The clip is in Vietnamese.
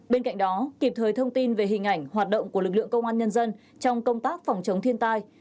bên cạnh đó kịp thời thông tin về hình ảnh hoạt động của lực lượng công an nhân dân trong công tác phòng chống thiên tai